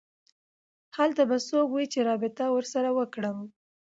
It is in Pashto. هلته به څوک وي چې رابطه ورسره وکړم